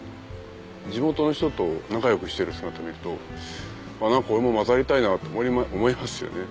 地元の人と仲良くしてる姿見ると何か俺も交ざりたいなと思いますよね。